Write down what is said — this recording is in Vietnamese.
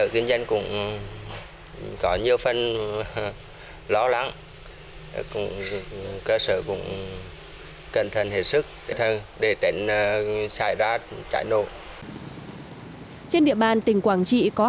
trên địa bàn tỉnh quảng trị có hàng nội tập performanting và trình bày